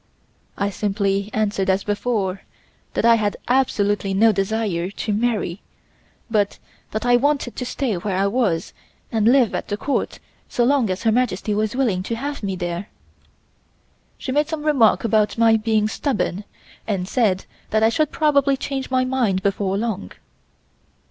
I simply answered as before that I had absolutely no desire to marry, but that I wanted to stay where I was and live at the Court so long as Her Majesty was willing to have me there. She made some remark about my being stubborn and said that I should probably change my mind before long.